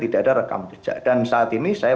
tidak ada rekam jejak dan saat ini saya